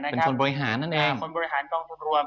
เป็นคนบริหารกองทุนบัวหลวง